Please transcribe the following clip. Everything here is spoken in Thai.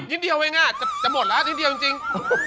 อุ๊ยนิดเดียวไงจะหมดแล้วนิดเดียวจริง